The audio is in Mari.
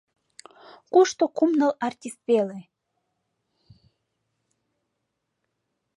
Кушто кум-ныл артист веле.